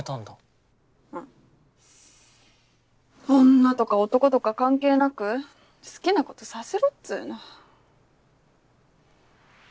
女とか男とか関係なく好きなことさせろっつうの。